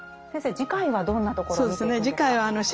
次回はどんなところを見ていくんですか？